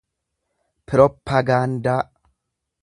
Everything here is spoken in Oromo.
piroppagaandaa